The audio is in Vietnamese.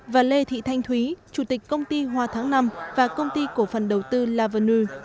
và lê thị thanh thúy chủ tịch công ty hoa tháng năm và công ty cổ phần đầu tư lavernu